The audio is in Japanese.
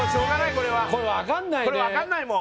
これ分かんないもん。